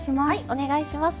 お願いします。